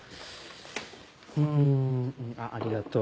うんあっありがとう。